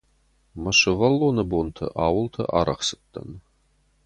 Мӕ сывӕллоны бонты ауылты арӕх цыдтӕн.